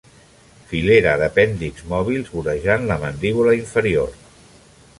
Filera d'apèndixs mòbils vorejant la mandíbula inferior.